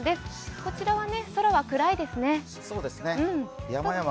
こちらは空は暗いですね。